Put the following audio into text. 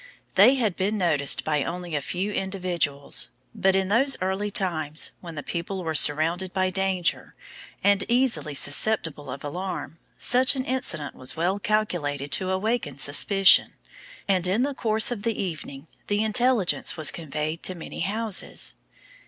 They had been noticed by only a few individuals; but in those early times, when the people were surrounded by danger, and easily susceptible of alarm, such an incident was well calculated to awaken suspicion, and in the course of the evening the intelligence was conveyed to many houses.